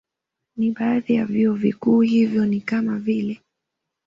Na baadhi ya vyuo vikuu hivyo ni kama vile